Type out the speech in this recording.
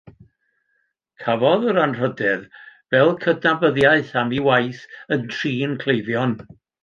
Cafodd yr anrhydedd fel cydnabyddiaeth am ei waith yn trin cleifion.